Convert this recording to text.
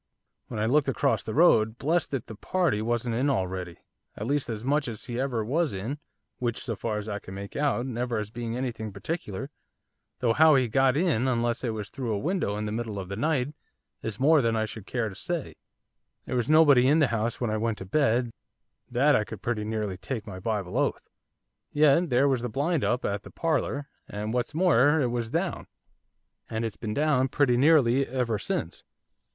When I looked across the road, blessed if the party wasn't in already, at least as much as he ever was in, which, so far as I can make out, never has been anything particular, though how he had got in, unless it was through a window in the middle of the night, is more than I should care to say, there was nobody in the house when I went to bed, that I could pretty nearly take my Bible oath, yet there was the blind up at the parlour, and, what's more, it was down, and it's been down pretty nearly ever since.